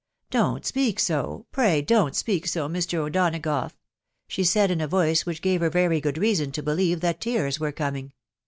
" Don't speak so !.... Pray don't speak so, Mr. O'Donagough !" she said, in a voice which gave her very good reason to believe that tears were coming.